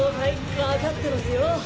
分かってますよ。